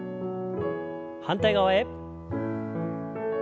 反対側へ。